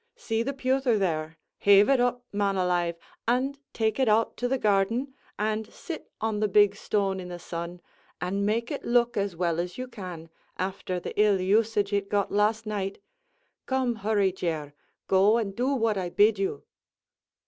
See the pewther there: haive it up, man alive, an' take it out into the garden, and sit on the big stone in the sun, an' make it look as well as you can, afther the ill usage it got last night; come, hurry, Jer go an' do what I bid you."